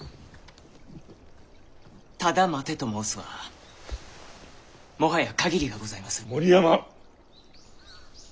ただ待てと申すはもはや限りがございます。